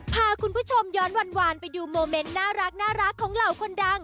พาคุณผู้ชมย้อนวานไปดูโมเมนต์น่ารักของเหล่าคนดัง